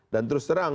dan terus terang